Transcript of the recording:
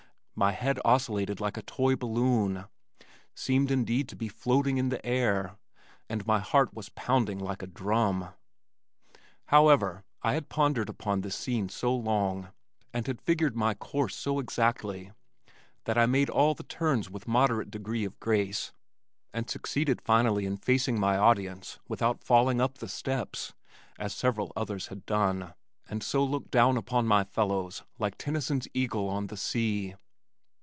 My head oscillated like a toy balloon, seemed indeed to be floating in the air, and my heart was pounding like a drum. However, I had pondered upon this scene so long and had figured my course so exactly that I made all the turns with moderate degree of grace and succeeded finally in facing my audience without falling up the steps (as several others had done) and so looked down upon my fellows like Tennyson's eagle on the sea.